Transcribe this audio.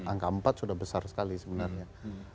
angka empat sudah besar sekali sebenarnya